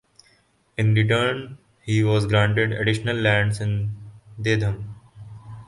In return he was granted additional lands in Dedham.